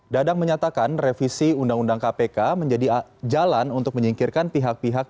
dadang menyatakan revisi undang undang kpk menjadi jalan untuk menyingkirkan pihak pihak